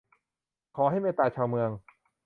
ขอให้เมตตาชาวเมือง